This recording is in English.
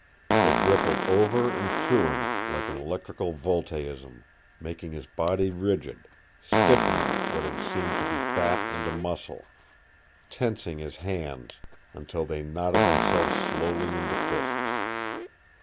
It rippled over and through him like an electrical voltaism, making his body rigid, stiffening what had seemed to be fat into muscle, tensing his hands until they knotted themselves slowly into fists.